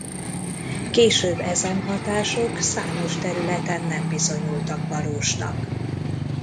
Később ezen hatások számos területen nem bizonyultak valósnak.